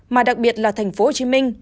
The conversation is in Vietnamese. mà đặc biệt là thành phố hồ chí minh